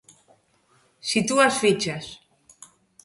Sitúa as fichas.